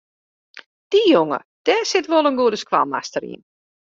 Dy jonge dêr sit wol in goede skoalmaster yn.